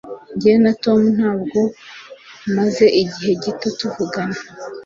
Jye na Tom ntabwo maze igihe gito tuvugana